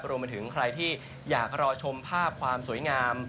รวมไปถึงใครที่อยากรอชมภาพความสวยงาม